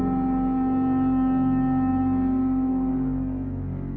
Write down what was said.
kamu mau minum obat